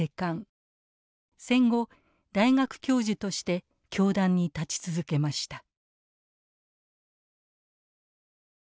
戦後大学教授として教壇に立ち続けました。